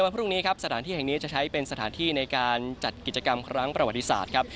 พรุ่งนี้ครับสถานที่แห่งนี้จะใช้เป็นสถานที่ในการจัดกิจกรรมครั้งประวัติศาสตร์ครับ